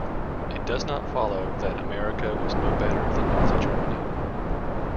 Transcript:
It does not follow that America was no better than Nazi Germany.